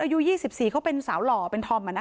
เวอร์ยูยี่สิบสี่เขาเป็นสาวหล่อเป็นธอมอะนะคะ